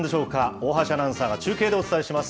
大橋アナウンサーが中継でお伝えします。